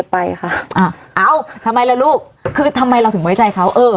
ไปค่ะอ่าเอ้าทำไมล่ะลูกคือทำไมเราถึงไว้ใจเขาเออ